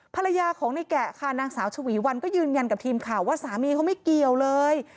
ภรรยาของในแกะค่ะนางสาวชวีวันก็ยืนยันกับทีมข่าวว่าสามีเขาไม่เกี่ยวเลย